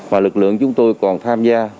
mà lực lượng chúng tôi còn tham gia